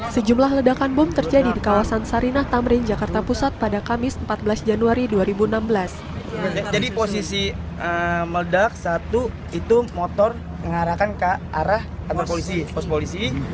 sejumlah ledakan bom terjadi di kawasan sarinah tamrin jakarta pusat pada kamis empat belas januari dua ribu enam belas